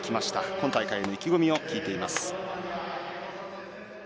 今大会への意気込みを聞いています。